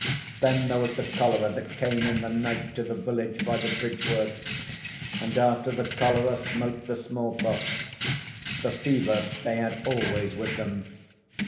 Then there was the cholera that came in the night to the village by the bridge works; and after the cholera smote the small pox. The fever they had always with them.